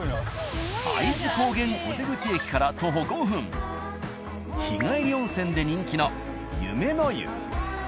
会津高原尾瀬口駅から徒歩５分日帰り温泉で人気の夢の湯。